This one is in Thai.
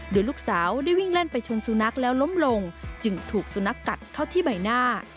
โดยลูกสาวได้วิ่งเล่นไปชนสุนัขแล้วล้มลงจึงถูกสุนัขกัดเข้าที่ใบหน้า